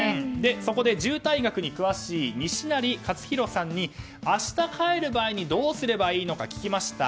そこで渋滞学に詳しい西成活裕さんに明日、帰る前にどうすればいいか聞きました。